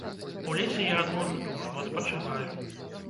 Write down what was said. У лесе я адводжу душу, адпачываю.